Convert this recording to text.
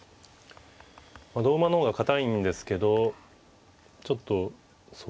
まあ同馬の方が堅いんですけどちょっとそうですね。